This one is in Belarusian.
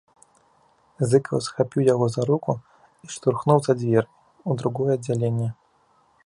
Зыкаў схапіў яго за руку і штурхнуў за дзверы, у другое аддзяленне.